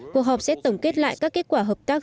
cuộc họp sẽ tổng kết lại các kết quả hợp tác